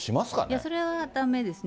それはだめですね。